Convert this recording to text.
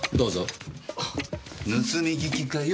盗み聞きかよ？